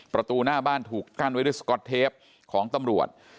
ประตูหน้าบ้านถูกกั้นไว้ด้วยสก๊อตเทปของตำรวจ